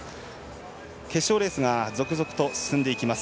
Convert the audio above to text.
決勝レースが続々と進んでいきます。